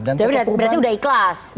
berarti udah ikhlas